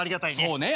そうね。